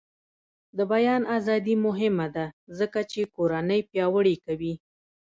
د بیان ازادي مهمه ده ځکه چې کورنۍ پیاوړې کوي.